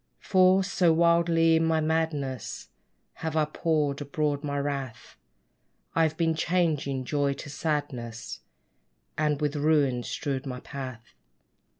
For, so wildly in my madness Have I poured abroad my wrath, I've been changing joy to sadness; And with ruins strewed my path.